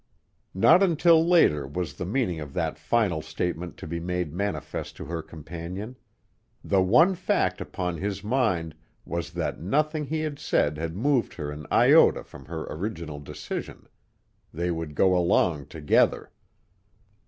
Not until later was the meaning of that final statement to be made manifest to her companion; the one fact upon his mind was that nothing he had said had moved her an iota from her original decision. They would go along together.